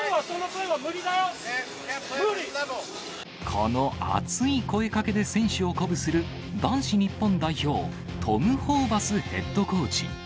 この熱い声かけで選手を鼓舞する、男子日本代表、トム・ホーバスヘッドコーチ。